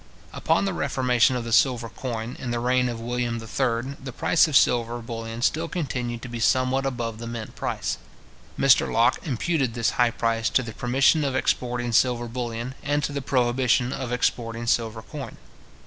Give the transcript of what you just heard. Upon the reformation of the silver coin, in the reign of William III., the price of silver bullion still continued to be somewhat above the mint price. Mr Locke imputed this high price to the permission of exporting silver bullion, and to the prohibition of exporting silver coin.